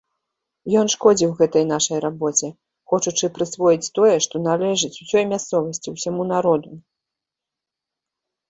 Ён шкодзіў гэтай нашай рабоце, хочучы прысвоіць тое, што належыць усёй мясцовасці, усяму народу.